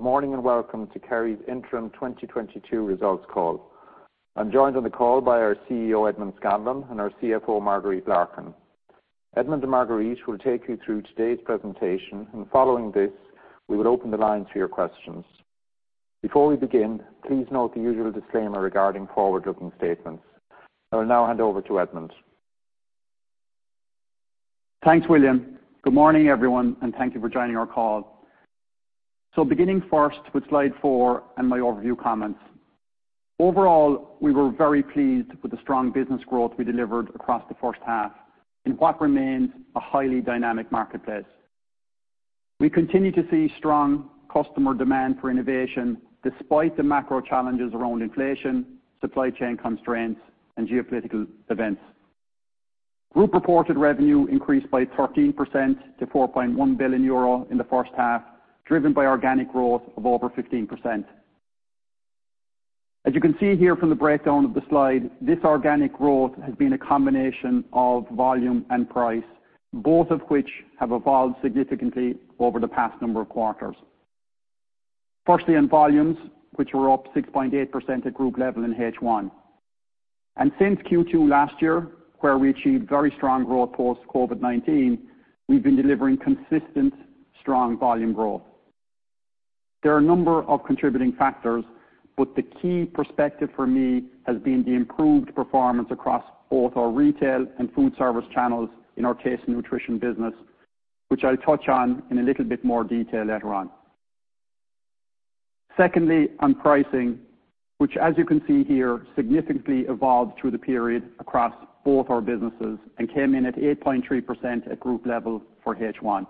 Good morning, and welcome to Kerry's Interim 2022 Results Call. I'm joined on the call by our CEO, Edmond Scanlon, and our CFO, Marguerite Larkin. Edmond and Marguerite will take you through today's presentation, and following this, we will open the lines for your questions. Before we begin, please note the usual disclaimer regarding forward-looking statements. I will now hand over to Edmond. Thanks, William. Good morning, everyone, and thank you for joining our call. Beginning first with slide 4 and my overview comments. Overall, we were very pleased with the strong business growth we delivered across the first half in what remains a highly dynamic marketplace. We continue to see strong customer demand for innovation despite the macro challenges around inflation, supply chain constraints, and geopolitical events. Group reported revenue increased by 13% to 4.1 billion euro in the first half, driven by organic growth of over 15%. As you can see here from the breakdown of the slide, this organic growth has been a combination of volume and price, both of which have evolved significantly over the past number of quarters. Firstly, in volumes, which were up 6.8% at group level in H1. Since Q2 last year, where we achieved very strong growth post COVID-19, we've been delivering consistent strong volume growth. There are a number of contributing factors, but the key perspective for me has been the improved performance across both our retail and food service channels in our Taste & Nutrition business, which I'll touch on in a little bit more detail later on. Secondly, on pricing, which as you can see here, significantly evolved through the period across both our businesses and came in at 8.3% at group level for H1.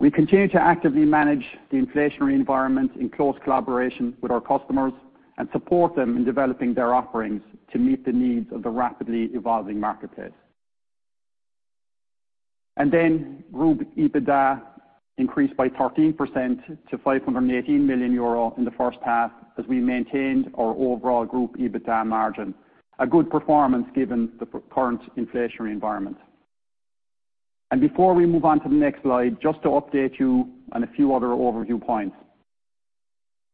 We continue to actively manage the inflationary environment in close collaboration with our customers and support them in developing their offerings to meet the needs of the rapidly evolving marketplace. Group EBITDA increased by 13% to 518 million euro in the first half as we maintained our overall group EBITDA margin, a good performance given the current inflationary environment. Before we move on to the next slide, just to update you on a few other overview points.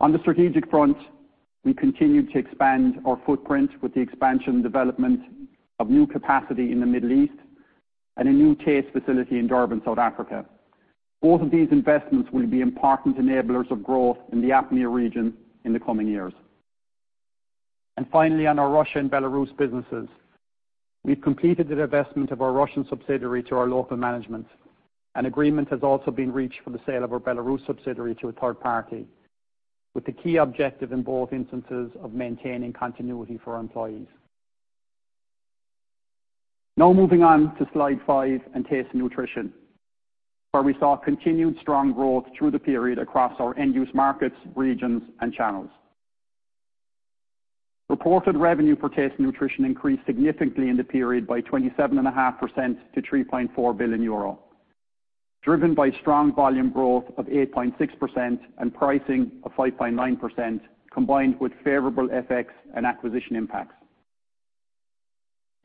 On the strategic front, we continue to expand our footprint with the expansion development of new capacity in the Middle East and a new Taste facility in Durban, South Africa. Both of these investments will be important enablers of growth in the APMEA region in the coming years. Finally, on our Russia and Belarus businesses, we've completed the divestment of our Russian subsidiary to our local management. An agreement has also been reached for the sale of our Belarus subsidiary to a third party, with the key objective in both instances of maintaining continuity for our employees. Now moving on to slide 5 and Taste & Nutrition, where we saw continued strong growth through the period across our end-use markets, regions, and channels. Reported revenue for Taste & Nutrition increased significantly in the period by 27.5% to 3.4 billion euro, driven by strong volume growth of 8.6% and pricing of 5.9%, combined with favorable FX and acquisition impacts.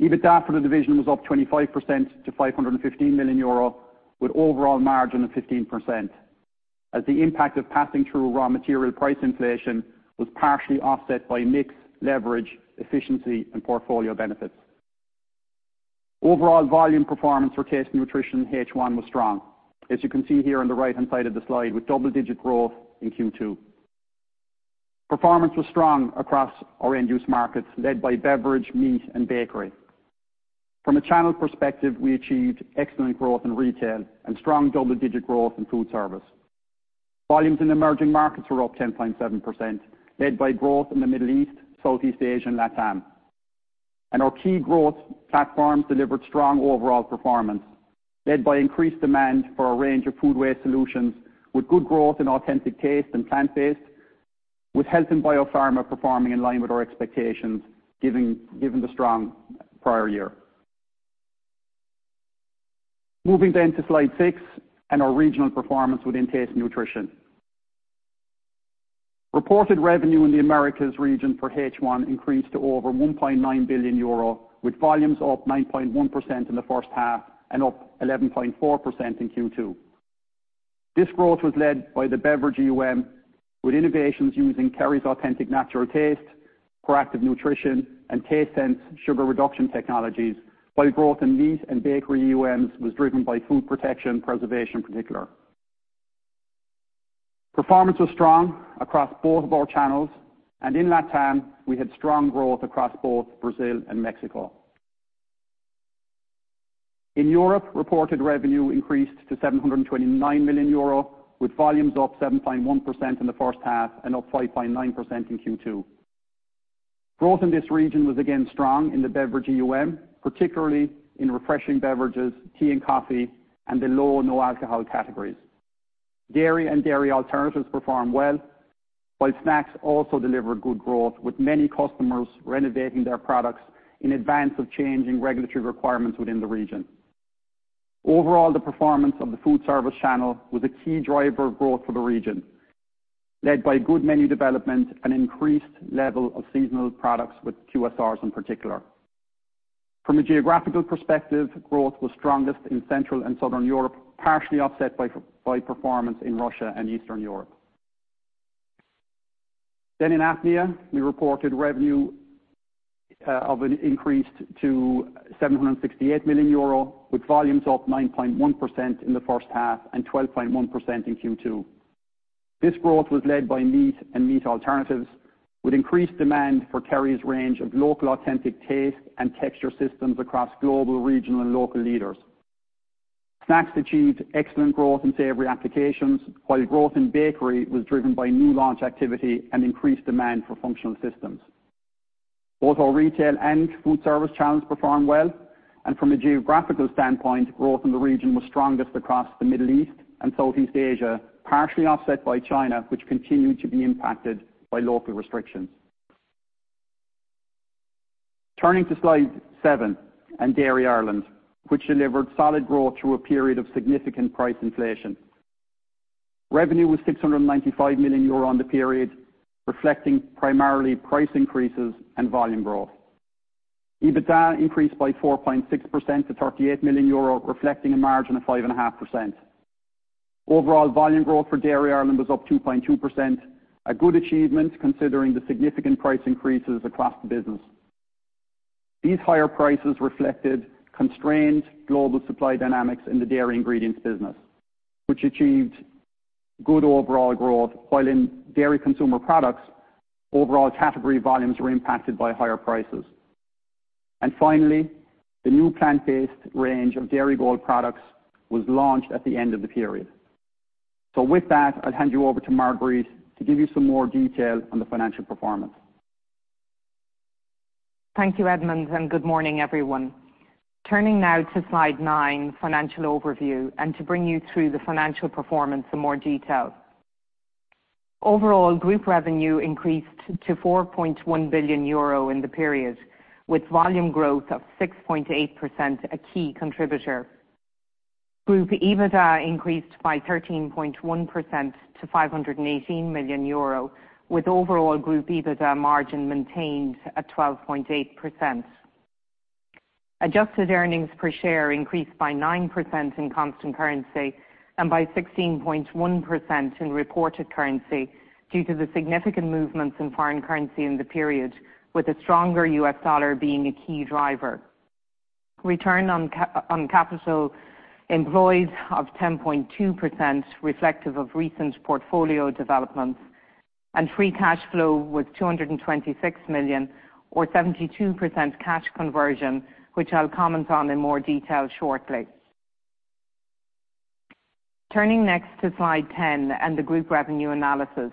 EBITDA for the division was up 25% to 515 million euro with overall margin of 15% as the impact of passing through raw material price inflation was partially offset by mix, leverage, efficiency, and portfolio benefits. Overall volume performance for Taste and Nutrition H1 was strong, as you can see here on the right-hand side of the slide with double-digit growth in Q2. Performance was strong across our end-use markets led by beverage, meat, and bakery. From a channel perspective, we achieved excellent growth in retail and strong double-digit growth in food service. Volumes in emerging markets were up 10.7%, led by growth in the Middle East, Southeast Asia, and LATAM. Our key growth platforms delivered strong overall performance, led by increased demand for a range of food waste solutions with good growth in authentic taste and plant-based, with health and biopharma performing in line with our expectations, given the strong prior year. Moving then to slide 6 and our regional performance within Taste and Nutrition. Reported revenue in the Americas region for H1 increased to over 1.9 billion euro, with volumes up 9.1% in the first half and up 11.4% in Q2. This growth was led by the beverage EUM, with innovations using Kerry's authentic taste, ProActive Health, and TasteSense sugar reduction technologies, while growth in meat and bakery EUMs was driven by food protection preservation in particular. Performance was strong across both of our channels, and in LATAM, we had strong growth across both Brazil and Mexico. In Europe, reported revenue increased to 729 million euro, with volumes up 7.1% in the first half and up 5.9% in Q2. Growth in this region was again strong in the beverage EUM, particularly in refreshing beverages, tea and coffee, and the low and no alcohol categories. Dairy and dairy alternatives performed well, while snacks also delivered good growth with many customers renovating their products in advance of changing regulatory requirements within the region. Overall, the performance of the food service channel was a key driver of growth for the region, led by good menu development and increased level of seasonal products with QSRs in particular. From a geographical perspective, growth was strongest in Central and Southern Europe, partially offset by performance in Russia and Eastern Europe. In APMEA, we reported revenue of an increase to 768 million euro, with volumes up 9.1% in the first half and 12.1% in Q2. This growth was led by meat and meat alternatives, with increased demand for Kerry's range of local authentic taste and texture systems across global, regional and local leaders. Snacks achieved excellent growth in savory applications, while growth in bakery was driven by new launch activity and increased demand for functional systems. Both our retail and food service channels performed well, and from a geographical standpoint, growth in the region was strongest across the Middle East and Southeast Asia, partially offset by China, which continued to be impacted by local restrictions. Turning to slide 7 and Dairy Ireland, which delivered solid growth through a period of significant price inflation. Revenue was 695 million euro on the period, reflecting primarily price increases and volume growth. EBITDA increased by 4.6% to 38 million euro, reflecting a margin of 5.5%. Overall volume growth for Dairy Ireland was up 2.2%, a good achievement considering the significant price increases across the business. These higher prices reflected constrained global supply dynamics in the dairy ingredients business, which achieved good overall growth, while in dairy consumer products, overall category volumes were impacted by higher prices. Finally, the new plant-based range of Dairygold products was launched at the end of the period. With that, I'll hand you over to Marguerite to give you some more detail on the financial performance. Thank you, Edmond, and good morning, everyone. Turning now to slide 9, financial overview, and to bring you through the financial performance in more detail. Overall group revenue increased to 4.1 billion euro in the period, with volume growth of 6.8% a key contributor. Group EBITDA increased by 13.1% to 518 million euro, with overall group EBITDA margin maintained at 12.8%. Adjusted earnings per share increased by 9% in constant currency and by 16.1% in reported currency due to the significant movements in foreign currency in the period, with the stronger US dollar being a key driver. Return on capital employed of 10.2% reflective of recent portfolio developments and free cash flow was 226 million or 72% cash conversion, which I'll comment on in more detail shortly. Turning next to slide 10 and the group revenue analysis.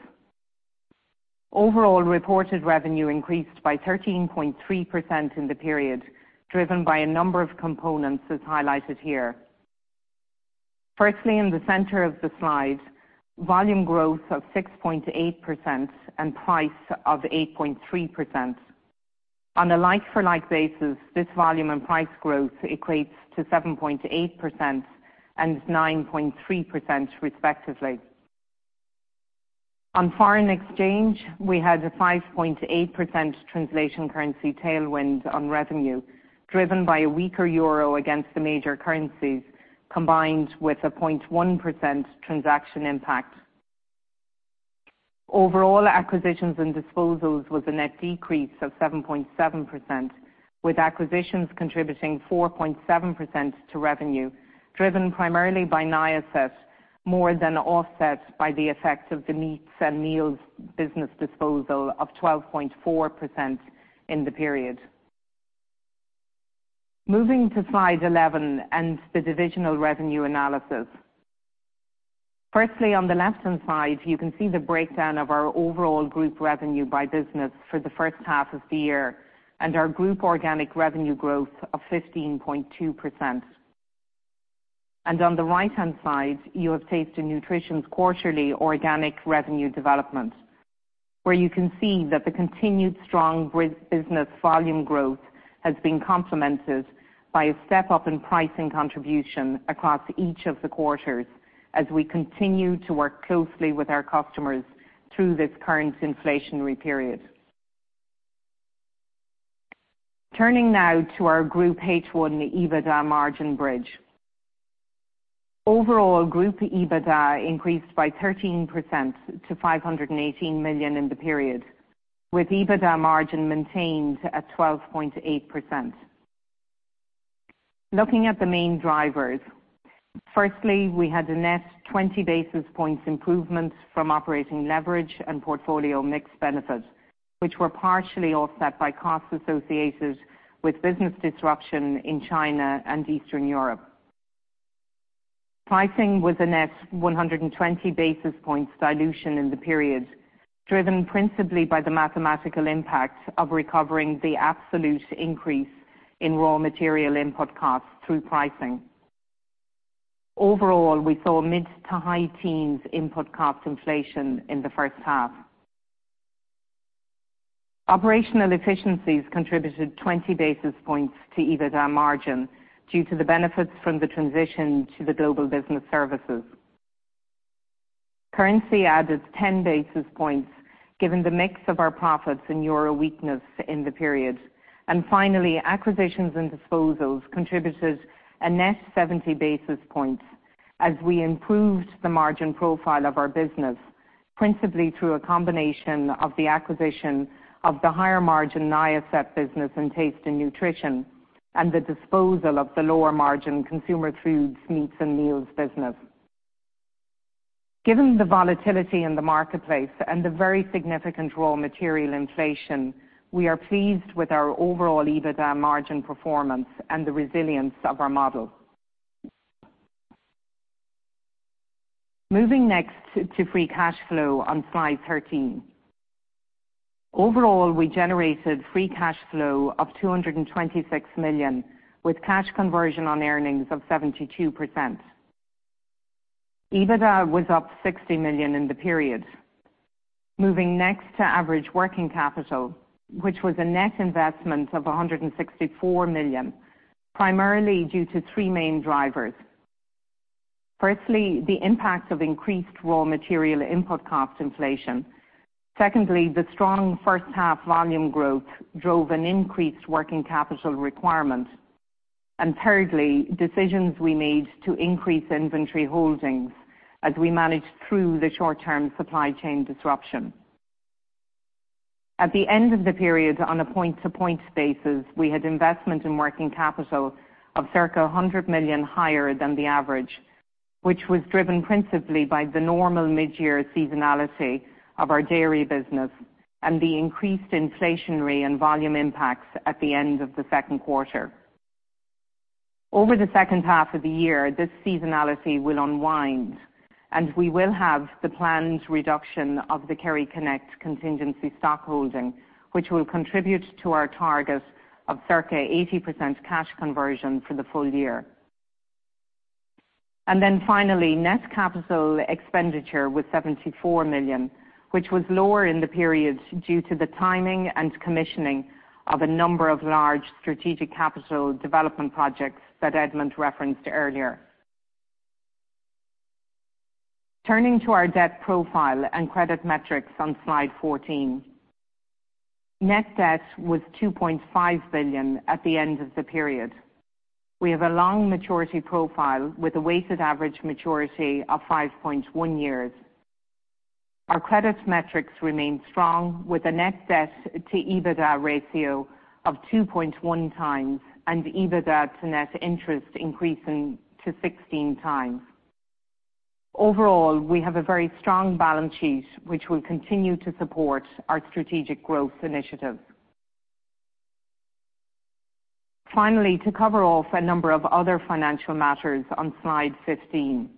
Overall reported revenue increased by 13.3% in the period, driven by a number of components as highlighted here. Firstly, in the center of the slide, volume growth of 6.8% and price of 8.3%. On a like-for-like basis, this volume and price growth equates to 7.8% and 9.3% respectively. On foreign exchange, we had a 5.8% translation currency tailwind on revenue, driven by a weaker euro against the major currencies, combined with a 0.1% transaction impact. Overall acquisitions and disposals was a net decrease of 7.7%, with acquisitions contributing 4.7% to revenue, driven primarily by Niacet more than offset by the effects of the meats and meals business disposal of 12.4% in the period. Moving to slide 11 and the divisional revenue analysis. Firstly, on the left-hand side, you can see the breakdown of our overall group revenue by business for the first half of the year and our group organic revenue growth of 15.2%. On the right-hand side, you have Taste & Nutrition's quarterly organic revenue development, where you can see that the continued strong business volume growth has been complemented by a step-up in pricing contribution across each of the quarters as we continue to work closely with our customers through this current inflationary period. Turning now to our group H1 EBITDA margin bridge. Overall, group EBITDA increased by 13% to 518 million in the period, with EBITDA margin maintained at 12.8%. Looking at the main drivers, firstly, we had a net 20 basis points improvement from operating leverage and portfolio mix benefits, which were partially offset by costs associated with business disruption in China and Eastern Europe. Pricing was a net 120 basis points dilution in the period, driven principally by the mathematical impact of recovering the absolute increase in raw material input costs through pricing. Overall, we saw mid- to high-teens% input cost inflation in the first half. Operational efficiencies contributed 20 basis points to EBITDA margin due to the benefits from the transition to the Global Business Services. Currency added 10 basis points given the mix of our profits and euro weakness in the period. Finally, acquisitions and disposals contributed a net 70 basis points as we improved the margin profile of our business, principally through a combination of the acquisition of the higher margin Niacet business and Taste & Nutrition and the disposal of the lower margin consumer foods, meats, and meals business. Given the volatility in the marketplace and the very significant raw material inflation, we are pleased with our overall EBITDA margin performance and the resilience of our model. Moving next to free cash flow on slide 13. Overall, we generated free cash flow of 226 million, with cash conversion on earnings of 72%. EBITDA was up 60 million in the period. Moving next to average working capital, which was a net investment of 164 million, primarily due to three main drivers. Firstly, the impact of increased raw material input cost inflation. Secondly, the strong first half volume growth drove an increased working capital requirement. Thirdly, decisions we made to increase inventory holdings as we managed through the short term supply chain disruption. At the end of the period, on a point to point basis, we had investment in working capital of circa 100 million higher than the average, which was driven principally by the normal mid-year seasonality of our dairy business and the increased inflationary and volume impacts at the end of the second quarter. Over the second half of the year, this seasonality will unwind, and we will have the planned reduction of the KerryConnect contingency stock holding, which will contribute to our target of circa 80% cash conversion for the full year. Finally, net capital expenditure was 74 million, which was lower in the period due to the timing and commissioning of a number of large strategic capital development projects that Edmond referenced earlier. Turning to our debt profile and credit metrics on slide 14. Net debt was 2.5 billion at the end of the period. We have a long maturity profile with a weighted average maturity of 5.1 years. Our credit metrics remain strong with a net debt to EBITDA ratio of 2.1 times and EBITDA to net interest increasing to 16 times. Overall, we have a very strong balance sheet, which will continue to support our strategic growth initiative. Finally, to cover off a number of other financial matters on slide 15.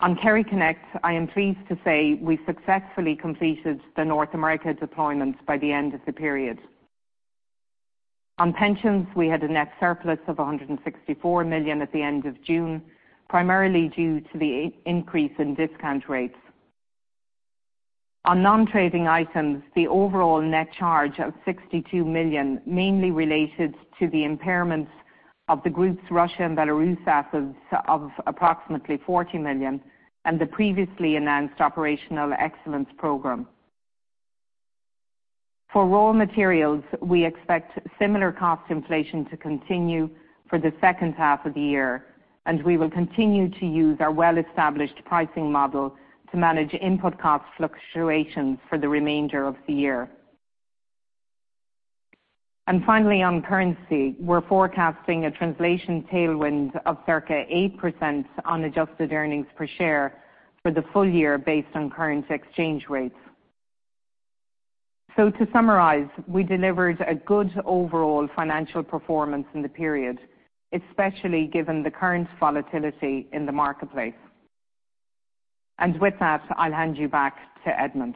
On KerryConnect, I am pleased to say we successfully completed the North America deployment by the end of the period. On pensions, we had a net surplus of 164 million at the end of June, primarily due to the increase in discount rates. On non-trading items, the overall net charge of 62 million mainly related to the impairments of the group's Russia and Belarus assets of approximately 40 million and the previously announced operational excellence program. For raw materials, we expect similar cost inflation to continue for the second half of the year, and we will continue to use our well-established pricing model to manage input cost fluctuations for the remainder of the year. Finally, on currency, we're forecasting a translation tailwind of circa 8% on adjusted earnings per share for the full year based on current exchange rates. To summarize, we delivered a good overall financial performance in the period, especially given the current volatility in the marketplace. With that, I'll hand you back to Edmond.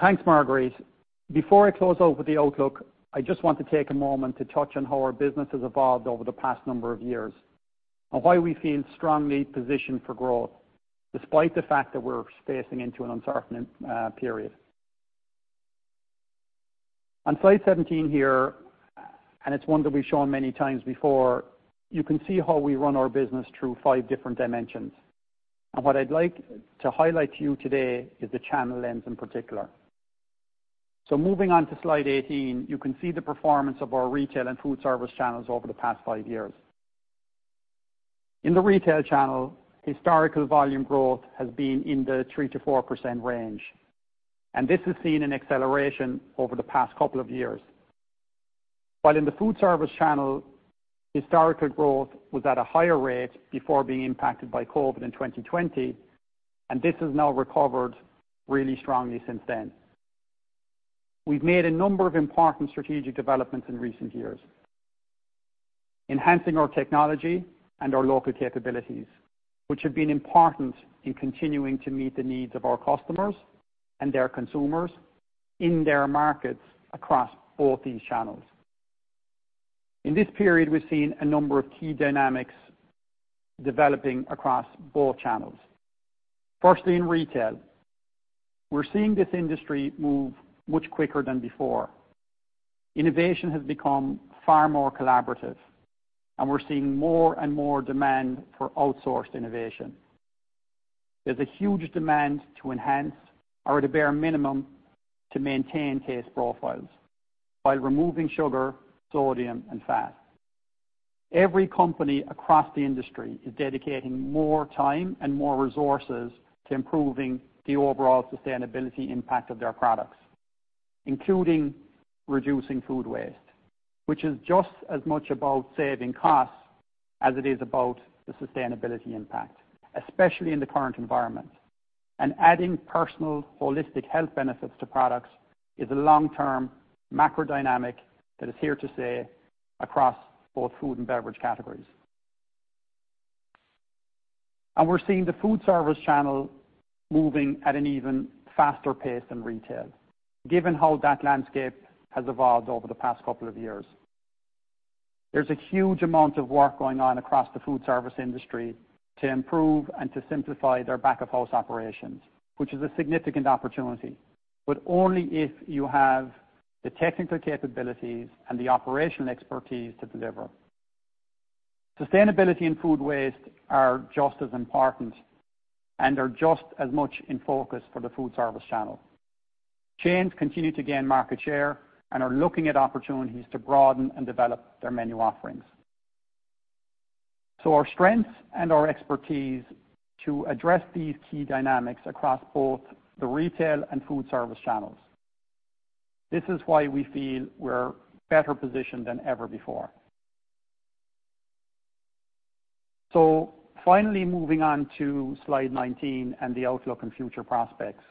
Thanks, Marguerite. Before I close out with the outlook, I just want to take a moment to touch on how our business has evolved over the past number of years and why we feel strongly positioned for growth despite the fact that we're facing into an uncertain period. On slide 17 here, and it's one that we've shown many times before, you can see how we run our business through 5 different dimensions. What I'd like to highlight to you today is the channel lens in particular. Moving on to slide 18, you can see the performance of our retail and food service channels over the past 5 years. In the retail channel, historical volume growth has been in the 3%-4% range, and this is seen an acceleration over the past couple of years. While in the food service channel, historical growth was at a higher rate before being impacted by COVID in 2020, and this has now recovered really strongly since then. We've made a number of important strategic developments in recent years, enhancing our technology and our local capabilities, which have been important in continuing to meet the needs of our customers and their consumers in their markets across both these channels. In this period, we've seen a number of key dynamics developing across both channels. Firstly, in retail, we're seeing this industry move much quicker than before. Innovation has become far more collaborative, and we're seeing more and more demand for outsourced innovation. There's a huge demand to enhance or at a bare minimum, to maintain taste profiles by removing sugar, sodium, and fat. Every company across the industry is dedicating more time and more resources to improving the overall sustainability impact of their products, including reducing food waste, which is just as much about saving costs as it is about the sustainability impact, especially in the current environment. Adding personal holistic health benefits to products is a long-term macro dynamic that is here to stay across both food and beverage categories. We're seeing the food service channel moving at an even faster pace than retail, given how that landscape has evolved over the past couple of years. There's a huge amount of work going on across the food service industry to improve and to simplify their back of house operations, which is a significant opportunity, but only if you have the technical capabilities and the operational expertise to deliver. Sustainability and food waste are just as important and are just as much in focus for the food service channel. Chains continue to gain market share and are looking at opportunities to broaden and develop their menu offerings. Our strengths and our expertise to address these key dynamics across both the retail and food service channels. This is why we feel we're better positioned than ever before. Finally moving on to slide 19 and the outlook and future prospects.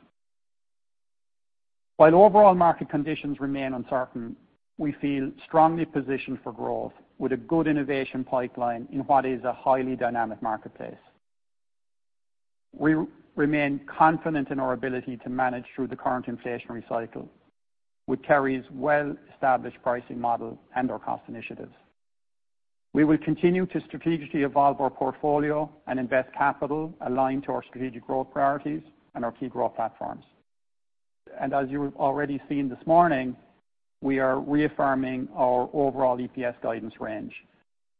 While overall market conditions remain uncertain, we feel strongly positioned for growth with a good innovation pipeline in what is a highly dynamic marketplace. We remain confident in our ability to manage through the current inflationary cycle with Kerry's well-established pricing model and our cost initiatives. We will continue to strategically evolve our portfolio and invest capital aligned to our strategic growth priorities and our key growth platforms. As you've already seen this morning, we are reaffirming our overall EPS guidance range,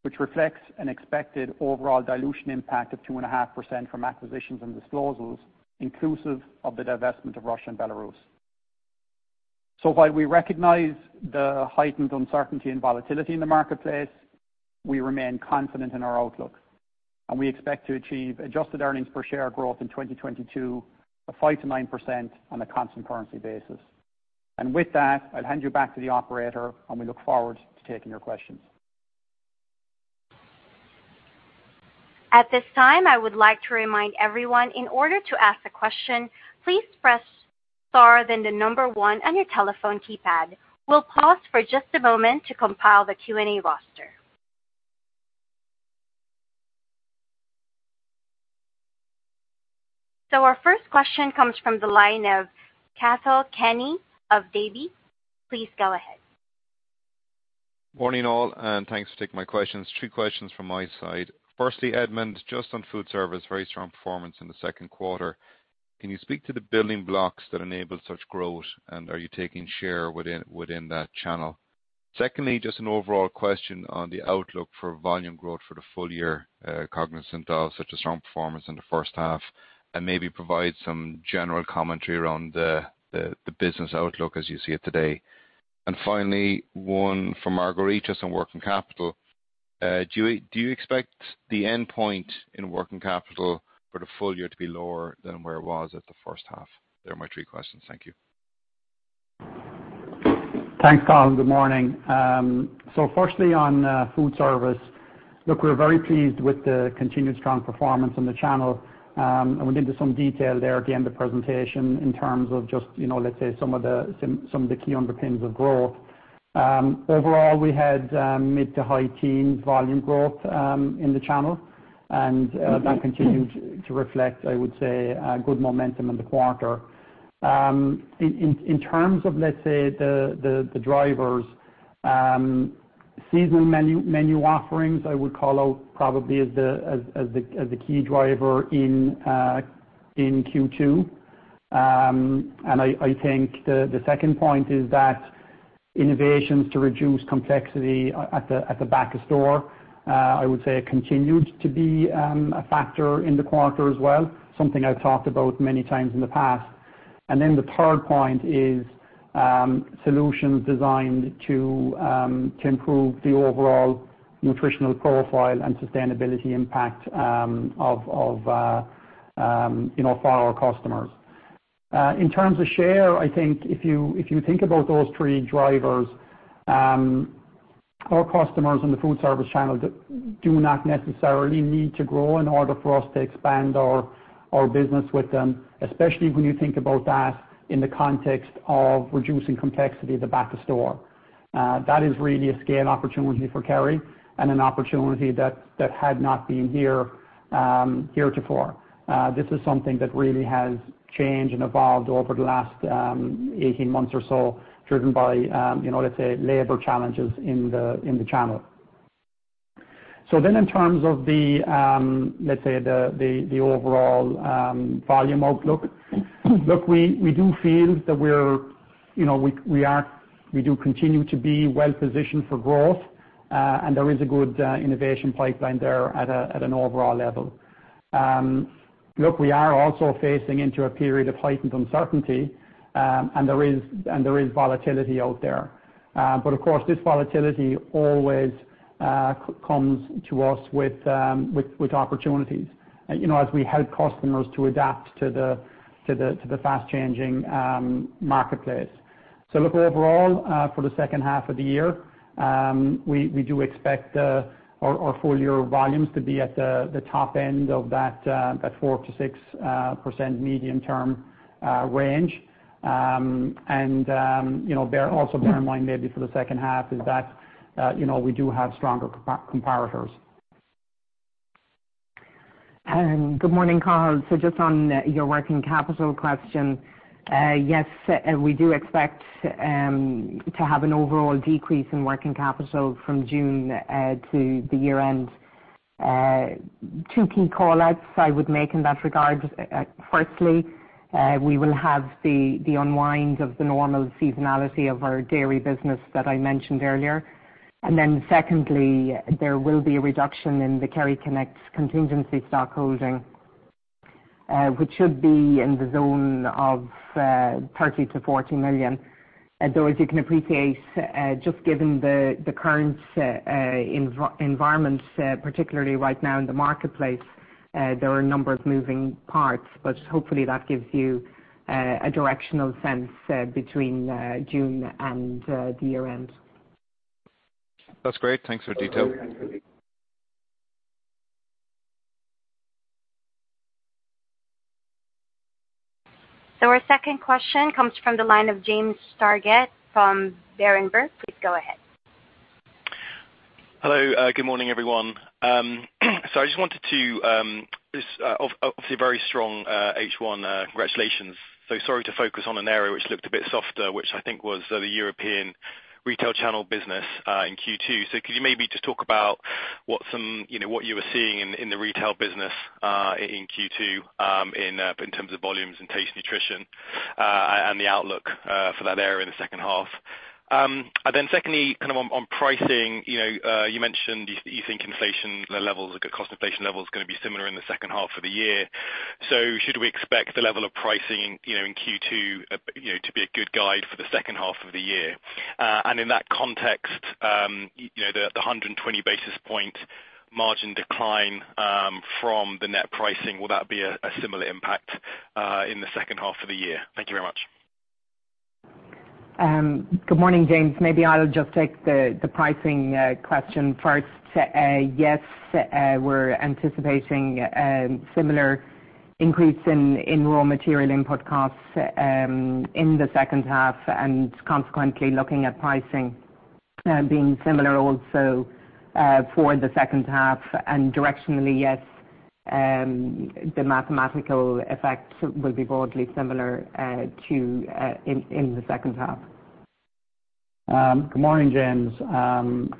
which reflects an expected overall dilution impact of 2.5% from acquisitions and disposals inclusive of the divestment of Russia and Belarus. While we recognize the heightened uncertainty and volatility in the marketplace, we remain confident in our outlook, and we expect to achieve adjusted earnings per share growth in 2022 of 5%-9% on a constant currency basis. With that, I'll hand you back to the operator, and we look forward to taking your questions. At this time, I would like to remind everyone in order to ask a question, please press star then the number one on your telephone keypad. We'll pause for just a moment to compile the Q&A roster. Our first question comes from the line of Cathal Kenny of Davy. Please go ahead. Morning all, and thanks for taking my questions. Two questions from my side. Firstly, Edmond, just on food service, very strong performance in the second quarter. Can you speak to the building blocks that enable such growth, and are you taking share within that channel? Secondly, just an overall question on the outlook for volume growth for the full year, cognizant of such a strong performance in the first half, and maybe provide some general commentary around the business outlook as you see it today. Finally, one for Marguerite on working capital. Do you expect the endpoint in working capital for the full year to be lower than where it was at the first half? They are my three questions. Thank you. Thanks, Cathal. Good morning. Firstly on food service. Look, we're very pleased with the continued strong performance on the channel. We'll get to some detail there at the end of presentation in terms of just, you know, let's say some of the key underpinnings of growth. Overall, we had mid to high teens volume growth in the channel. That continued to reflect, I would say, a good momentum in the quarter. In terms of, let's say the drivers, seasonal menu offerings, I would call out probably as the key driver in Q2. I think the second point is that innovations to reduce complexity at the back of store, I would say continued to be a factor in the quarter as well, something I've talked about many times in the past. The third point is solutions designed to improve the overall nutritional profile and sustainability impact of, you know, for our customers. In terms of share, I think if you think about those three drivers, our customers in the food service channel do not necessarily need to grow in order for us to expand our business with them, especially when you think about that in the context of reducing complexity at the back of store. That is really a scale opportunity for Kerry and an opportunity that had not been here heretofore. This is something that really has changed and evolved over the last 18 months or so, driven by you know, let's say, labor challenges in the channel. In terms of the overall volume outlook, we do feel that we're you know we do continue to be well-positioned for growth, and there is a good innovation pipeline there at an overall level. We are also facing into a period of heightened uncertainty and there is volatility out there. Of course, this volatility always comes to us with opportunities, you know, as we help customers to adapt to the fast-changing marketplace. Look, overall, for the second half of the year, we do expect our full year volumes to be at the top end of that 4%-6% medium-term range. You know, bear in mind also maybe for the second half is that, you know, we do have stronger comparators. Good morning, Cathal. Just on your working capital question, yes, we do expect to have an overall decrease in working capital from June to the year-end. Two key call-outs I would make in that regard. Firstly, we will have the unwind of the normal seasonality of our dairy business that I mentioned earlier. Secondly, there will be a reduction in the KerryConnect's contingency stock holding, which should be in the zone of 30-40 million. Though, as you can appreciate, just given the current environment, particularly right now in the marketplace, there are a number of moving parts, but hopefully that gives you a directional sense between June and the year-end. That's great. Thanks for the detail. Our second question comes from the line of James Targett from Berenberg. Please go ahead. Hello. Good morning, everyone. I just wanted to obviously very strong H1. Congratulations. Sorry to focus on an area which looked a bit softer, which I think was the European retail channel business in Q2. Could you maybe just talk about what, you know, what you were seeing in the retail business in Q2 in terms of volumes and Taste & Nutrition and the outlook for that area in the second half? Second, on pricing, you know, you mentioned you think inflation levels, cost inflation levels are gonna be similar in the second half of the year. Should we expect the level of pricing, you know, in Q2, you know, to be a good guide for the second half of the year? In that context, you know, the 120 basis points margin decline from the net pricing, will that be a similar impact in the second half of the year? Thank you very much. Good morning, James. Maybe I'll just take the pricing question first. Yes, we're anticipating similar increase in raw material input costs in the second half, and consequently looking at pricing being similar also for the second half. Directionally, yes, the mathematical effects will be broadly similar to in the second half. Good morning, James.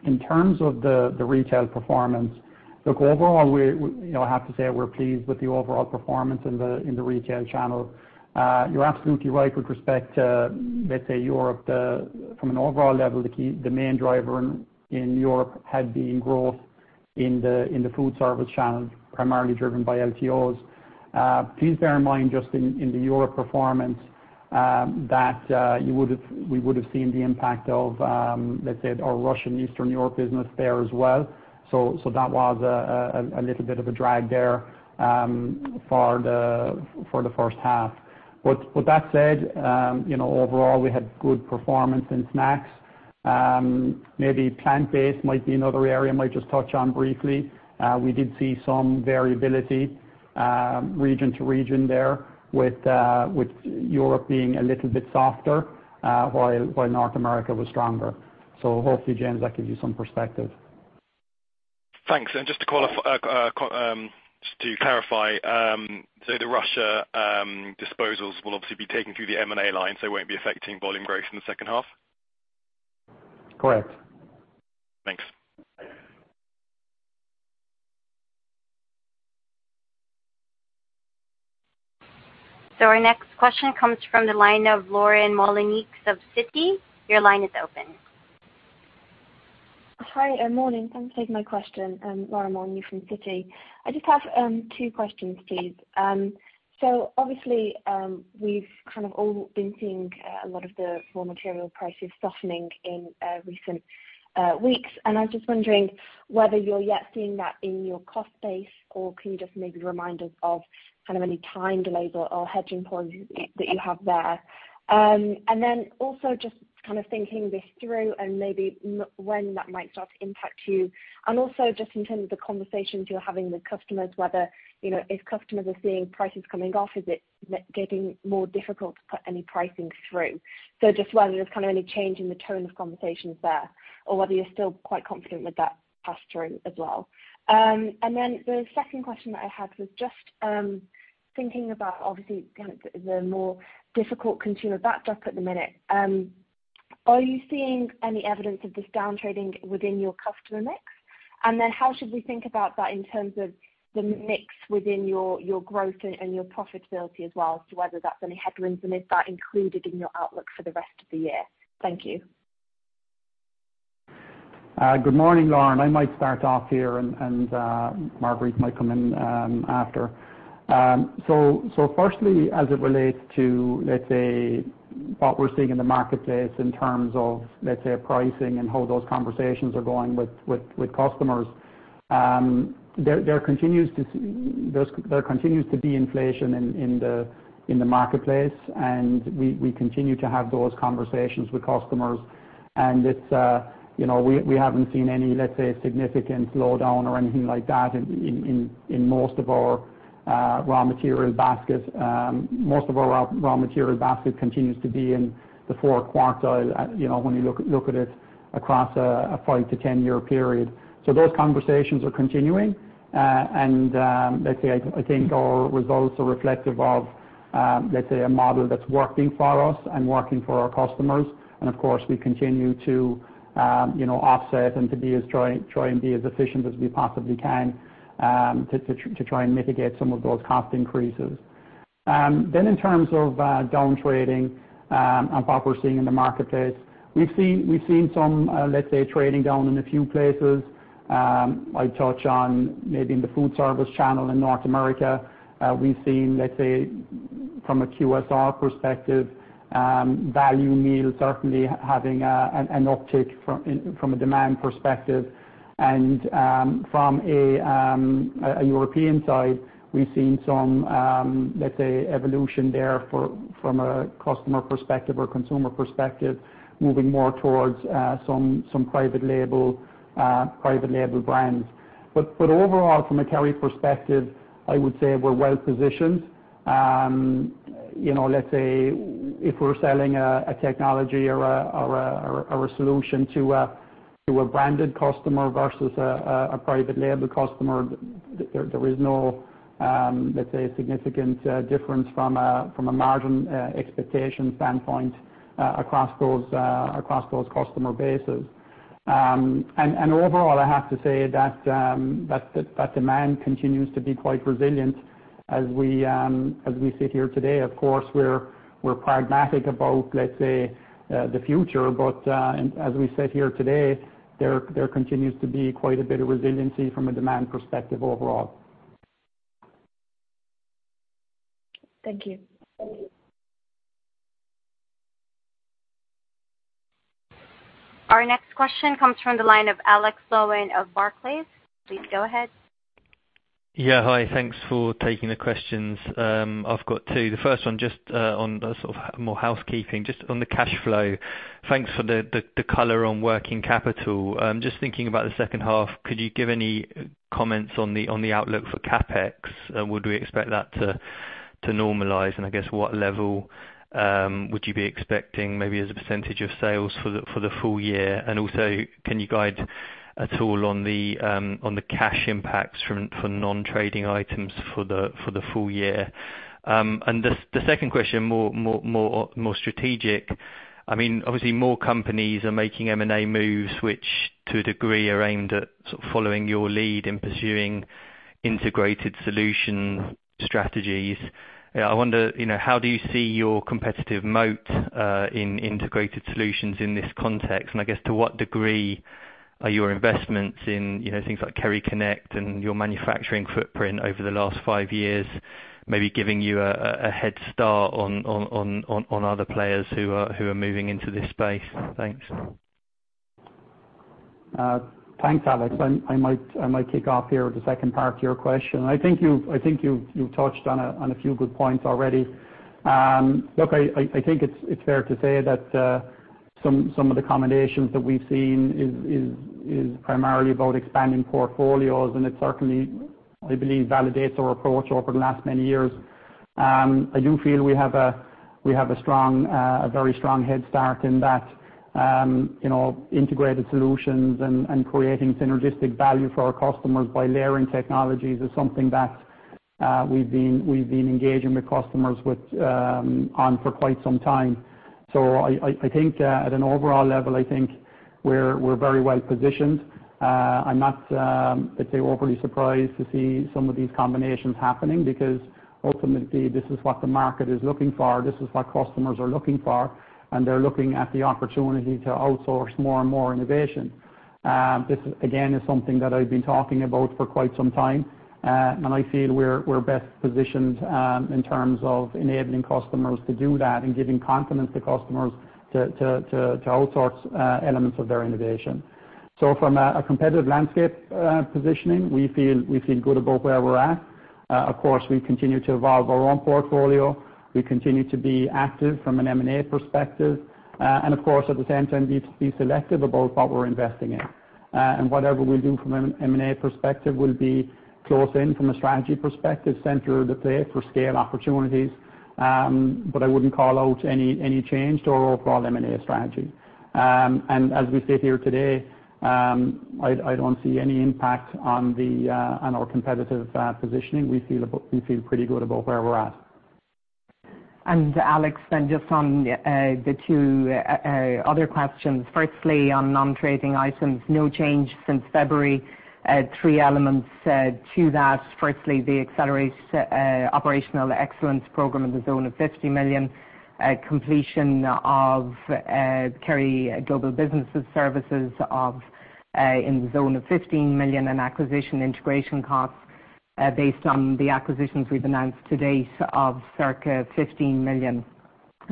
In terms of the retail performance, look, overall, we're, you know, I have to say we're pleased with the overall performance in the retail channel. You're absolutely right with respect to, let's say, Europe. From an overall level, the main driver in Europe had been growth in the food service channel, primarily driven by LTOs. Please bear in mind just in the European performance, that we would have seen the impact of, let's say, our Russian Eastern Europe business there as well. That was a little bit of a drag there, for the first half. That said, you know, overall, we had good performance in snacks. Maybe plant-based might be another area I might just touch on briefly. We did see some variability, region to region there with Europe being a little bit softer, while North America was stronger. Hopefully, James, that gives you some perspective. Thanks. Just to clarify, so the Russia disposals will obviously be taken through the M&A line, so they won't be affecting volume growth in the second half? Correct. Thanks. Our next question comes from the line of Lorraine Moloney of Citi. Your line is open. Hi, morning. Thanks for taking my question. I'm Lauren Moloney from Citi. I just have two questions, please. So obviously, we've kind of all been seeing a lot of the raw material prices softening in recent weeks, and I'm just wondering whether you're yet seeing that in your cost base, or can you just maybe remind us of kind of any time delays or hedging points that you have there. Then also just kind of thinking this through and maybe when that might start to impact you. Also just in terms of the conversations you're having with customers, whether, you know, if customers are seeing prices coming off, is it getting more difficult to put any pricing through? Just whether there's kind of any change in the tone of conversations there, or whether you're still quite confident with that pass-through as well. The second question that I had was just thinking about obviously kind of the more difficult consumer backdrop at the minute. Are you seeing any evidence of this down trading within your customer mix? Then how should we think about that in terms of the mix within your growth and your profitability as well as to whether that's any headwinds and is that included in your outlook for the rest of the year? Thank you. Good morning, Lorraine. I might start off here and Marguerite might come in after. Firstly, as it relates to, let's say, what we're seeing in the marketplace in terms of, let's say, pricing and how those conversations are going with customers. There continues to be inflation in the marketplace, and we continue to have those conversations with customers. It's, you know, we haven't seen any, let's say, a significant slowdown or anything like that in most of our raw material basket. Most of our raw material basket continues to be in the fourth quartile, you know, when you look at it across a five to ten-year period. Those conversations are continuing. I think our results are reflective of a model that's working for us and working for our customers. Of course, we continue to, you know, offset and try and be as efficient as we possibly can to try and mitigate some of those cost increases. In terms of down trading and what we're seeing in the marketplace. We've seen some, let's say, trading down in a few places. I touch on maybe in the food service channel in North America. We've seen, let's say, from a QSR perspective, value meal certainly having an uptick from a demand perspective. From a European side, we've seen some, let's say, evolution there from a customer perspective or consumer perspective, moving more towards some private label brands. Overall, from a Kerry perspective, I would say we're well positioned. You know, let's say if we're selling a technology or a solution to a branded customer versus a private label customer, there is no, let's say, a significant difference from a margin expectation standpoint across those customer bases. Overall, I have to say that that demand continues to be quite resilient as we sit here today. Of course, we're pragmatic about, let's say, the future. As we sit here today, there continues to be quite a bit of resiliency from a demand perspective overall. Thank you. Our next question comes from the line of Alex Sloane of Barclays. Please go ahead. Yeah, hi. Thanks for taking the questions. I've got two. The first one, just on the sort of more housekeeping, just on the cash flow. Thanks for the color on working capital. Just thinking about the second half, could you give any comments on the outlook for CapEx? Would we expect that to normalize and I guess, what level would you be expecting maybe as a percentage of sales for the full year? And also, can you guide at all on the cash impacts from for non-trading items for the full year? And the second question, more strategic. I mean, obviously more companies are making M&A moves, which to a degree are aimed at sort of following your lead in pursuing integrated solution strategies. I wonder, you know, how do you see your competitive moat in integrated solutions in this context? I guess to what degree are your investments in, you know, things like KerryConnect and your manufacturing footprint over the last 5 years, maybe giving you a head start on other players who are moving into this space? Thanks. Thanks, Alex. I might kick off here with the second part to your question. I think you've touched on a few good points already. Look, I think it's fair to say that some of the combinations that we've seen is primarily about expanding portfolios, and it certainly, I believe, validates our approach over the last many years. I do feel we have a strong, a very strong head start in that, you know, integrated solutions and creating synergistic value for our customers by layering technologies is something that we've been engaging with customers on for quite some time. I think at an overall level, I think we're very well positioned. I'm not, let's say overly surprised to see some of these combinations happening because ultimately this is what the market is looking for, this is what customers are looking for, and they're looking at the opportunity to outsource more and more innovation. This again is something that I've been talking about for quite some time, and I feel we're best positioned in terms of enabling customers to do that and giving confidence to customers to outsource elements of their innovation. From a competitive landscape positioning, we feel good about where we're at. Of course, we continue to evolve our own portfolio. We continue to be active from an M&A perspective. Of course, at the same time, be selective about what we're investing in. Whatever we do from an M&A perspective will be close in from a strategy perspective, center of the play for scale opportunities. I wouldn't call out any change to our overall M&A strategy. As we sit here today, I don't see any impact on our competitive positioning. We feel pretty good about where we're at. Alex, then just on the two other questions. Firstly, on nontrading items, no change since February. Three elements to that. Firstly, the accelerated operational excellence program in the zone of 50 million. Completion of Kerry Global Business Services in the zone of 15 million, and acquisition integration costs based on the acquisitions we've announced to date of circa 15 million.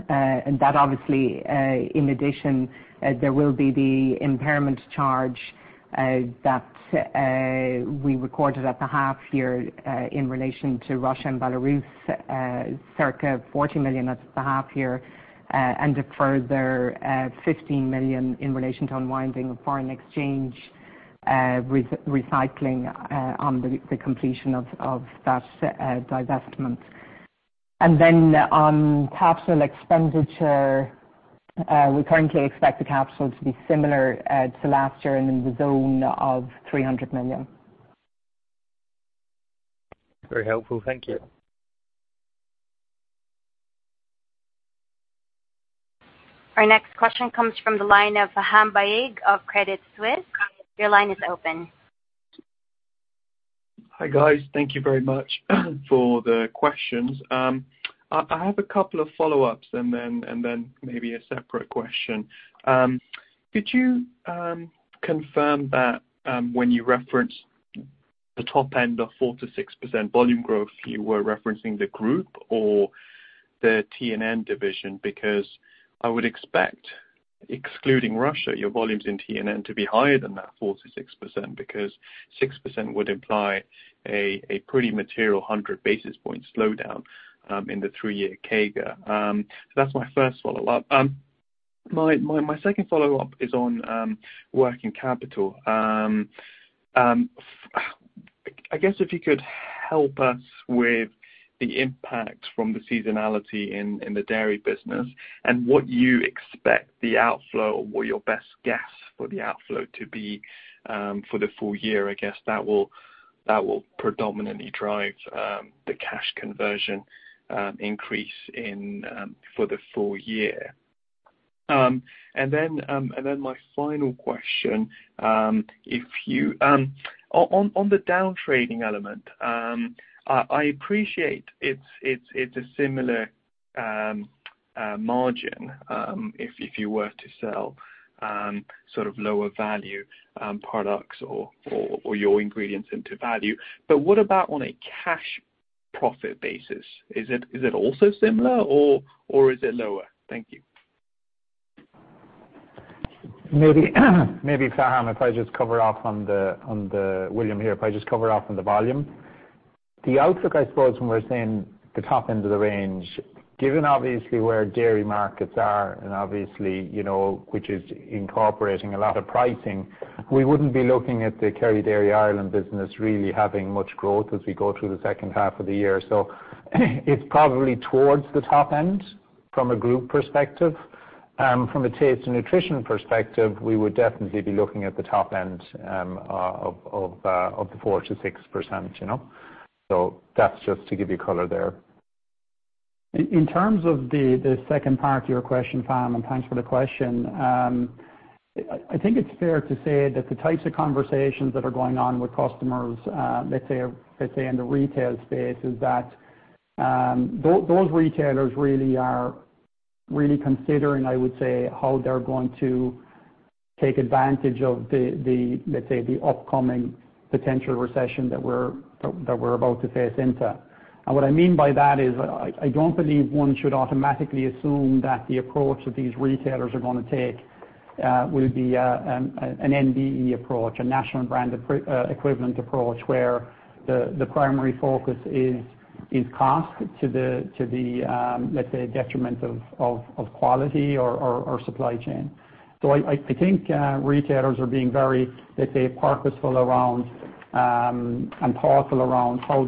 And that obviously, in addition, there will be the impairment charge that we recorded at the half year in relation to Russia and Belarus, circa 40 million. That's the half year. And a further 15 million in relation to unwinding of foreign exchange recycling on the completion of that divestment. On capital expenditure, we currently expect the capital to be similar to last year and in the zone of 300 million. Very helpful. Thank you. Our next question comes from the line of Faham Baig of Credit Suisse. Your line is open. Hi, guys. Thank you very much for the questions. I have a couple of follow-ups, and then maybe a separate question. Could you confirm that, when you referenced the top end of 4%-6% volume growth, you were referencing the group or the Taste & Nutrition division? Because I would expect, excluding Russia, your volumes in Taste & Nutrition to be higher than that 4%-6%, because 6% would imply a pretty material 100 basis point slowdown, in the three-year CAGR. That's my first follow-up. My second follow-up is on working capital. I guess if you could help us with the impact from the seasonality in the dairy business and what you expect the outflow or what your best guess for the outflow to be for the full year. I guess that will predominantly drive the cash conversion increase in for the full year. My final question, if you on the down trading element, I appreciate it's a similar margin, if you were to sell sort of lower value products or your ingredients into value. What about on a cash profit basis? Is it also similar or is it lower? Thank you. Maybe, Faham, if I just cover off on the volume. The outlook, I suppose, when we're saying the top end of the range, given obviously where dairy markets are and obviously, you know, which is incorporating a lot of pricing, we wouldn't be looking at the Kerry Dairy Ireland business really having much growth as we go through the second half of the year. It's probably towards the top end from a group perspective. From a Taste and Nutrition perspective, we would definitely be looking at the top end of the 4%-6%, you know. That's just to give you color there. In terms of the second part of your question, Faham, and thanks for the question. I think it's fair to say that the types of conversations that are going on with customers, let's say in the retail space, is that those retailers really are really considering, I would say, how they're going to take advantage of the let's say the upcoming potential recession that we're about to face into. What I mean by that is I don't believe one should automatically assume that the approach that these retailers are gonna take will be an NBE approach, a national brand equivalent approach, where the primary focus is cost to the let's say detriment of quality or supply chain. I think retailers are being very, let's say, purposeful around and thoughtful around how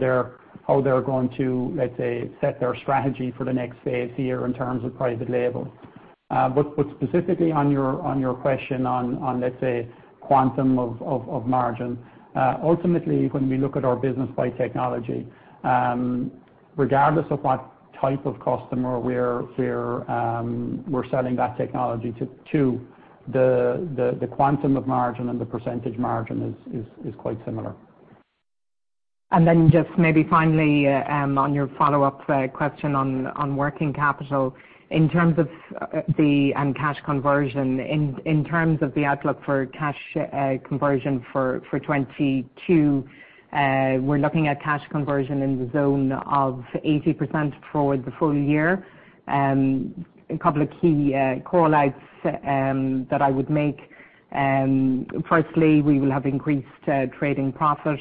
they're going to, let's say, set their strategy for the next phase year in terms of private label. Specifically on your question on, let's say, quantum of margin. Ultimately, when we look at our business by technology, regardless of what type of customer we're selling that technology to, the quantum of margin and the percentage margin is quite similar. Just maybe finally, on your follow-up question on working capital. In terms of the cash conversion, in terms of the outlook for cash conversion for 2022, we're looking at cash conversion in the zone of 80% for the full year. A couple of key call-outs that I would make. Firstly, we will have increased trading profit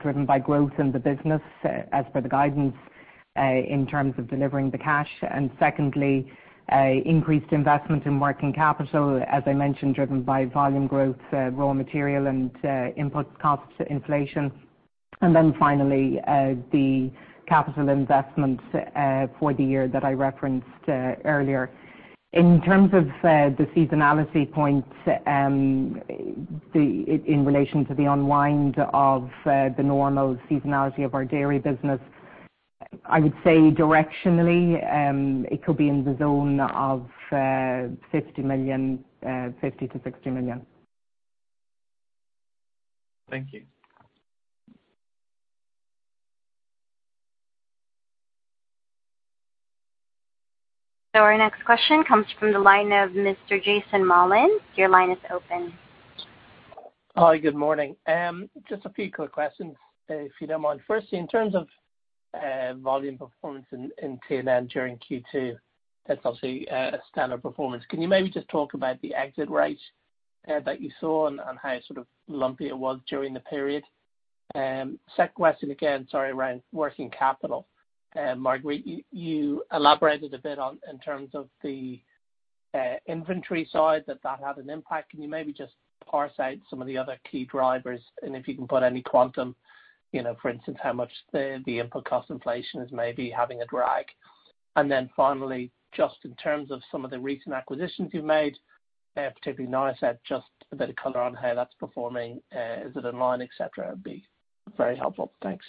driven by growth in the business as per the guidance in terms of delivering the cash. Secondly, increased investment in working capital, as I mentioned, driven by volume growth, raw material and input costs inflation. Finally, the capital investment for the year that I referenced earlier. In terms of the seasonality point, in relation to the unwind of the normal seasonality of our dairy business, I would say directionally, it could be in the zone of 50-60 million. Thank you. Our next question comes from the line of Mr. Jason Sheridan. Your line is open. Hi, good morning. Just a few quick questions, if you don't mind. First, in terms of volume performance in Canada during Q2, that's obviously a standard performance. Can you maybe just talk about the exit rate that you saw and how sort of lumpy it was during the period? Second question again, sorry, around working capital. Marguerite, you elaborated a bit on in terms of the inventory side that had an impact. Can you maybe just parse out some of the other key drivers and if you can put any quantum, you know, for instance, how much the input cost inflation is maybe having a drag. Then finally, just in terms of some of the recent acquisitions you've made, particularly Niacet, just a bit of color on how that's performing, is it in line, et cetera, would be very helpful. Thanks.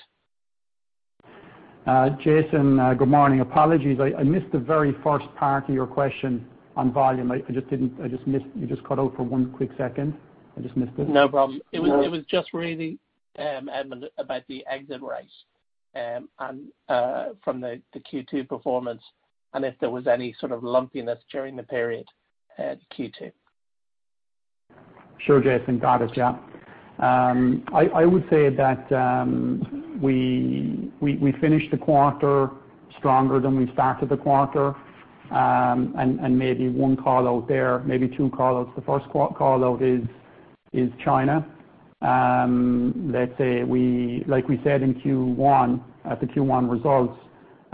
Jason, good morning. Apologies, I missed the very first part of your question on volume. I just didn't, I just missed. You just cut out for one quick second. I just missed it. No problem. It was just really, Edmond, about the exit rates, and from the Q2 performance, and if there was any sort of lumpiness during the period, Q2. Sure, Jason. Got it. Yeah. I would say that we finished the quarter stronger than we started the quarter. Maybe one call out there, maybe two call outs. The first call out is China. Let's say, like we said in Q1, at the Q1 results,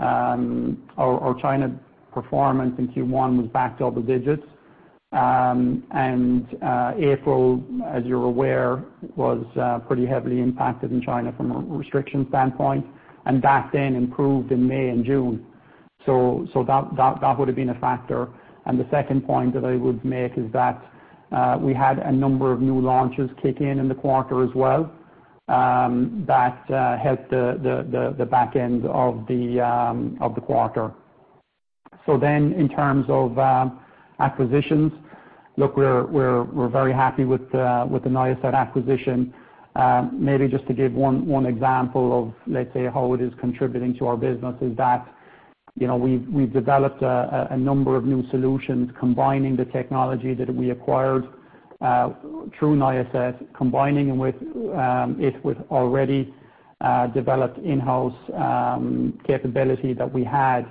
our China performance in Q1 was back double digits. April, as you're aware, was pretty heavily impacted in China from a restriction standpoint, and that then improved in May and June. That would have been a factor. The second point that I would make is that we had a number of new launches kick in in the quarter as well, that helped the back end of the quarter. In terms of acquisitions, look, we're very happy with the Niacet acquisition. Maybe just to give one example of, let's say, how it is contributing to our business is that, you know, we've developed a number of new solutions combining the technology that we acquired through Niacet with already developed in-house capability that we had.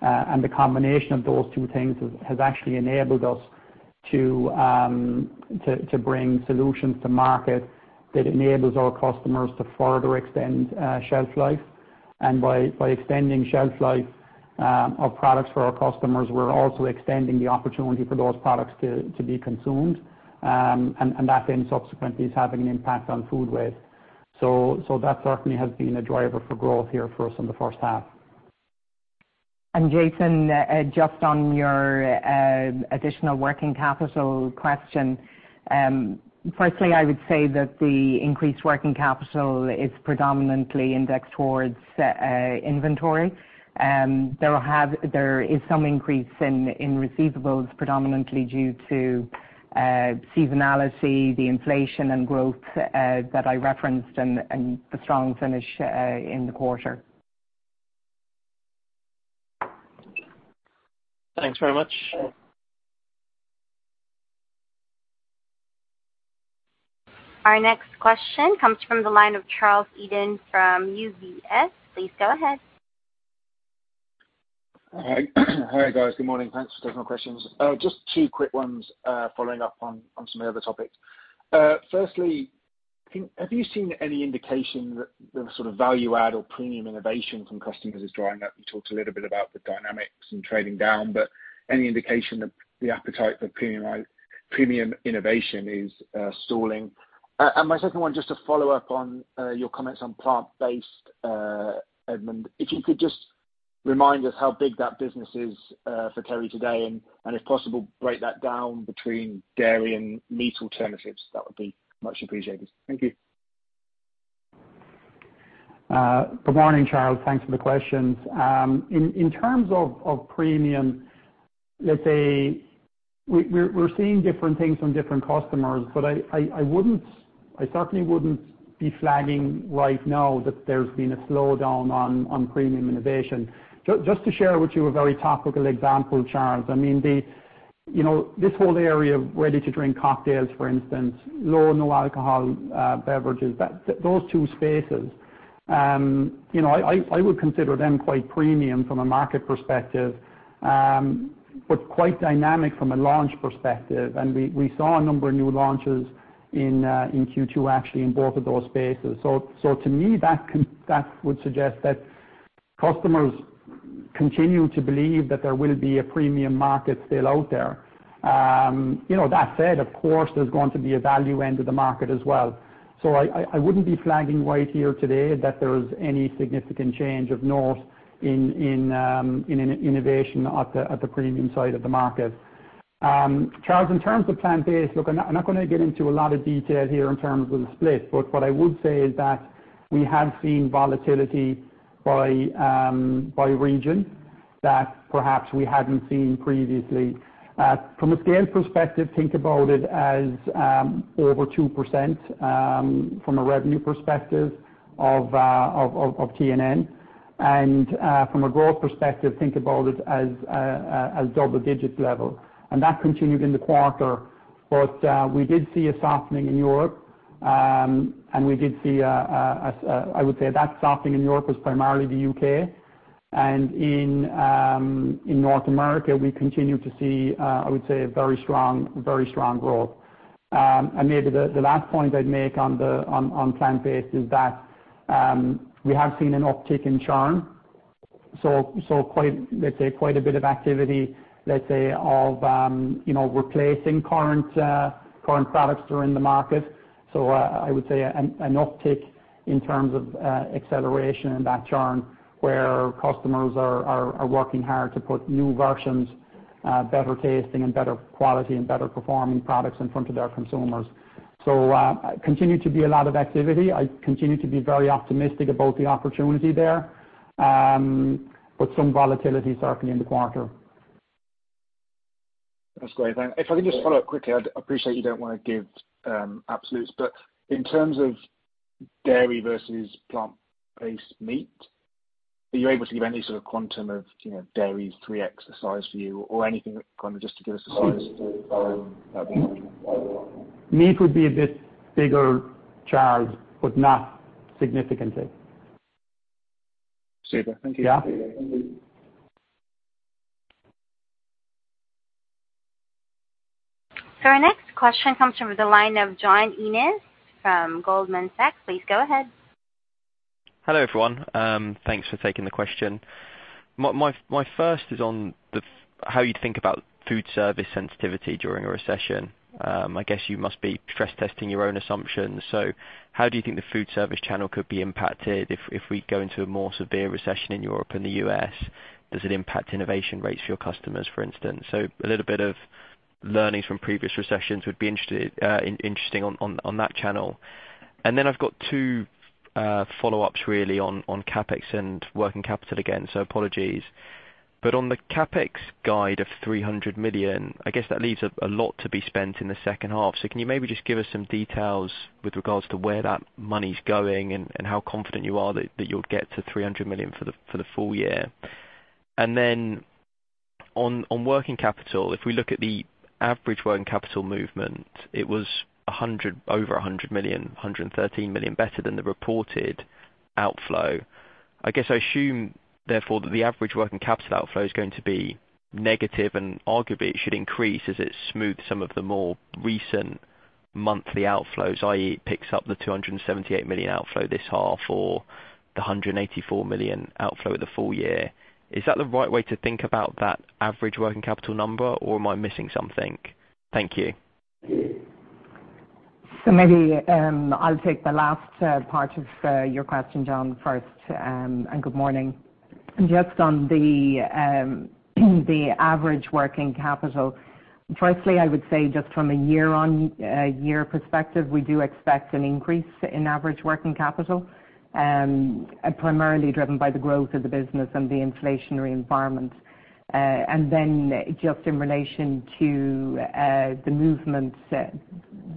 The combination of those two things has actually enabled us to bring solutions to market that enables our customers to further extend shelf life. By extending shelf life of products for our customers, we're also extending the opportunity for those products to be consumed. That then subsequently is having an impact on food waste. That certainly has been a driver for growth here for us in the first half. Jason, just on your additional working capital question. Firstly, I would say that the increased working capital is predominantly indexed towards inventory. There is some increase in receivables, predominantly due to seasonality, the inflation and growth that I referenced and the strong finish in the quarter. Thanks very much. Our next question comes from the line of Charles Eden from UBS. Please go ahead. Hi. Hi, guys. Good morning. Thanks for taking my questions. Just two quick ones, following up on some of the other topics. Firstly, have you seen any indication that the sort of value add or premium innovation from customers is drying up? You talked a little bit about the dynamics and trading down, but any indication that the appetite for premium innovation is stalling? And my second one, just to follow up on your comments on plant-based, Edmond. If you could just remind us how big that business is for Kerry today, and if possible, break that down between dairy and meat alternatives, that would be much appreciated. Thank you. Good morning, Charles. Thanks for the questions. In terms of premium, let's say we're seeing different things from different customers, but I certainly wouldn't be flagging right now that there's been a slowdown on premium innovation. Just to share with you a very topical example, Charles, I mean, you know, this whole area of ready-to-drink cocktails, for instance, low or no alcohol beverages, those two spaces, you know, I would consider them quite premium from a market perspective, but quite dynamic from a launch perspective. We saw a number of new launches in Q2 actually in both of those spaces. To me, that would suggest that customers continue to believe that there will be a premium market still out there. You know, that said, of course there's going to be a value end of the market as well. I wouldn't be flagging right here today that there's any significant change of note in an innovation at the premium side of the market. Charles, in terms of plant-based, look, I'm not gonna get into a lot of detail here in terms of the split, but what I would say is that we have seen volatility by region that perhaps we hadn't seen previously. From a scale perspective, think about it as over 2% from a revenue perspective of T&N. From a growth perspective, think about it as double digits level, and that continued in the quarter. We did see a softening in Europe, and I would say that softening in Europe was primarily the UK. In North America, we continue to see I would say a very strong growth. Maybe the last point I'd make on plant-based is that we have seen an uptick in churn, so quite, let's say, quite a bit of activity, let's say of, you know, replacing current products that are in the market. I would say an uptick in terms of acceleration in that churn where customers are working hard to put new versions, better tasting and better quality and better performing products in front of their consumers. Continue to be a lot of activity. I continue to be very optimistic about the opportunity there, but some volatility certainly in the quarter. That's great. If I can just follow up quickly. I'd appreciate you don't wanna give absolutes, but in terms of dairy versus plant-based meat, are you able to give any sort of quantum of, you know, dairy 3x the size for you or anything kind of just to give us a sense? Meat would be a bit bigger, Charles, but not significantly. Super. Thank you. Yeah. Our next question comes from the line of John Ennis from Goldman Sachs. Please go ahead. Hello, everyone. Thanks for taking the question. My first is on how you think about food service sensitivity during a recession. I guess you must be stress testing your own assumptions. How do you think the food service channel could be impacted if we go into a more severe recession in Europe and the US? Does it impact innovation rates for your customers, for instance? A little bit of learnings from previous recessions would be interesting on that channel. Then I've got two follow-ups really on CapEx and working capital again, so apologies. On the CapEx guide of 300 million, I guess that leaves a lot to be spent in the second half. Can you maybe just give us some details with regards to where that money's going and how confident you are that you'll get to 300 million for the full year? On working capital, if we look at the average working capital movement, it was over 100 million, 113 million better than the reported outflow. I guess I assume, therefore, that the average working capital outflow is going to be negative, and arguably it should increase as it smooths some of the more recent monthly outflows, i.e., picks up the 278 million outflow this half or the 184 million outflow of the full year. Is that the right way to think about that average working capital number, or am I missing something? Thank you. Maybe I'll take the last part of your question, John, first, and good morning. Just on the average working capital. Firstly, I would say just from a year-on-year perspective, we do expect an increase in average working capital, primarily driven by the growth of the business and the inflationary environment. Just in relation to the movements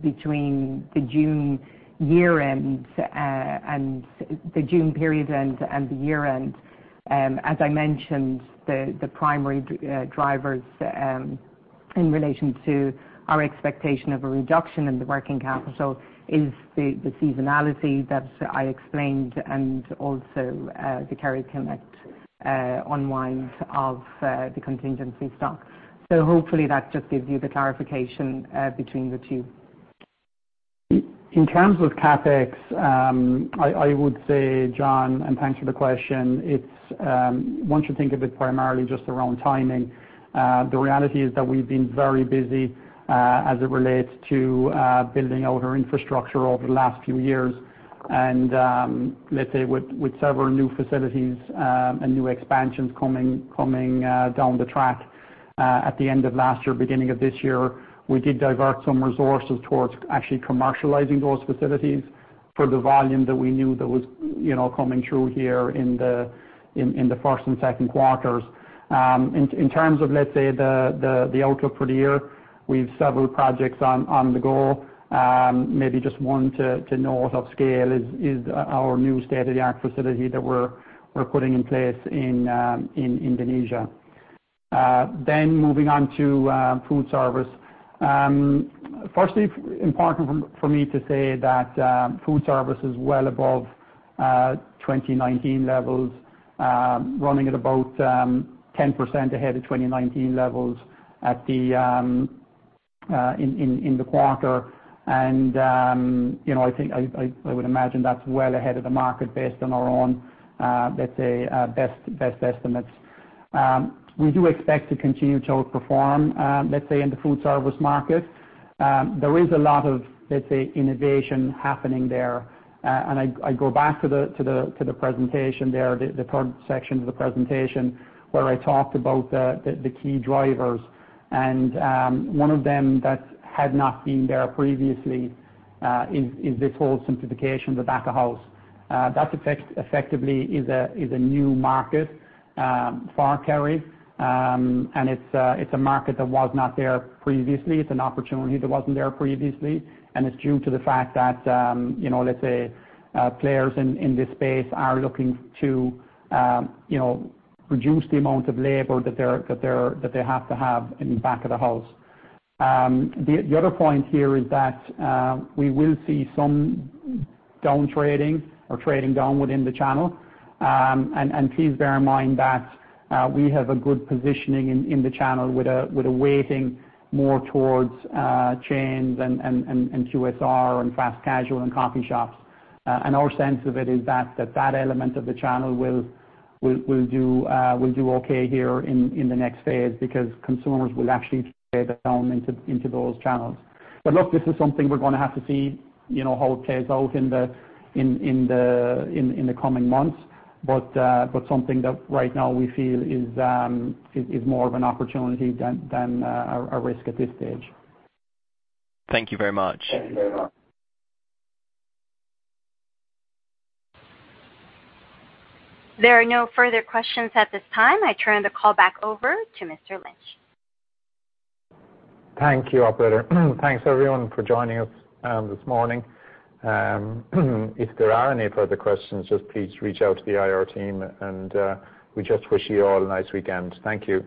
between the June year-end and the June period end and the year-end, as I mentioned, the primary drivers in relation to our expectation of a reduction in the working capital is the seasonality that I explained and also the KerryConnect unwind of the contingency stock. Hopefully that just gives you the clarification between the two. In terms of CapEx, I would say, John, and thanks for the question. It's one should think of it primarily just around timing. The reality is that we've been very busy as it relates to building out our infrastructure over the last few years. Let's say with several new facilities and new expansions coming down the track at the end of last year, beginning of this year, we did divert some resources towards actually commercializing those facilities for the volume that we knew that was, you know, coming through here in the first and second quarters. In terms of, let's say, the outlook for the year, we've several projects on the go. Maybe just one to note on scale is our new state-of-the-art facility that we're putting in place in Indonesia. Moving on to food service. Firstly, important for me to say that food service is well above 2019 levels, running at about 10% ahead of 2019 levels in the quarter. You know, I think I would imagine that's well ahead of the market based on our own let's say best estimates. We do expect to continue to outperform let's say in the food service market. There is a lot of let's say innovation happening there. I go back to the presentation there, the current section of the presentation where I talked about the key drivers. One of them that had not been there previously is this whole simplification of the back of house. That effectively is a new market for Kerry. It's a market that was not there previously. It's an opportunity that wasn't there previously, and it's due to the fact that you know, let's say, players in this space are looking to you know, reduce the amount of labor that they have to have in back of the house. The other point here is that we will see some downtrading or trading down within the channel. Please bear in mind that we have a good positioning in the channel with a weighting more towards chains and QSR and fast casual and coffee shops. Our sense of it is that element of the channel will do okay here in the next phase because consumers will actually trade down into those channels. Look, this is something we're gonna have to see, you know, how it plays out in the coming months. Something that right now we feel is more of an opportunity than a risk at this stage. Thank you very much. There are no further questions at this time. I turn the call back over to Mr. Lynch. Thank you, operator. Thanks everyone for joining us this morning. If there are any further questions, just please reach out to the IR team and we just wish you all a nice weekend. Thank you.